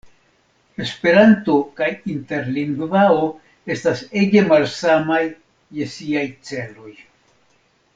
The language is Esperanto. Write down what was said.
Esperanto kaj interlingvao estas ege malsamaj je siaj celoj.